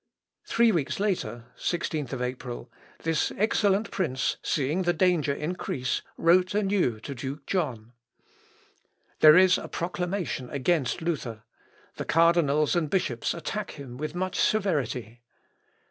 Three weeks later (16th April), this excellent prince seeing the danger increase wrote anew to Duke John. "There is a proclamation against Luther. The cardinals and bishops attack him with much severity.